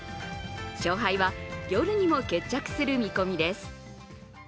勝敗は夜にも決着する見込みです。